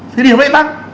thì điểm lý tăng